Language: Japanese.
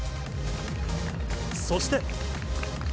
そして。